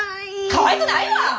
かわいくないわ！